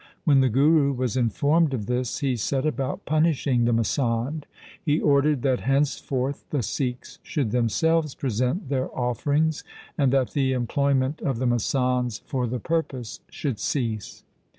When the Guru was informed of this he set about punishing the masand. He ordered that henceforth the Sikhs should them selves present their offerings, and that the employ ment of the masands for the purpose should cease.